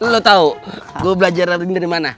lo tau gue belajar ini dari mana